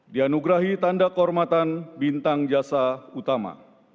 dianugerahi tanda kehormatan bintang jasa utama